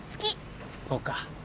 そうか。